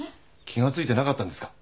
気が付いてなかったんですか？